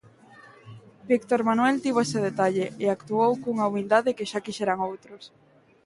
Víctor Manuel tivo ese detalle, e actuou cunha humildade que xa quixeran outros.